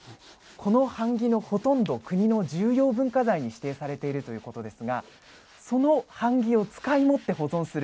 この版木のほとんど国の重要文化財に指定されているということですがその版木を使いもって保存する。